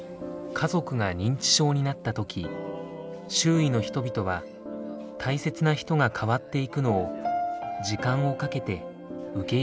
家族が認知症になった時周囲の人々は大切な人が変わっていくのを時間をかけて受け入れてきました。